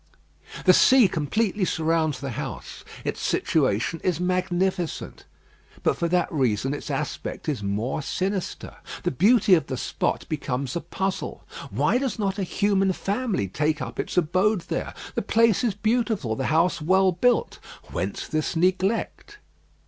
The sea completely surrounds the house. Its situation is magnificent; but for that reason its aspect is more sinister. The beauty of the spot becomes a puzzle. Why does not a human family take up its abode here? The place is beautiful, the house well built. Whence this neglect?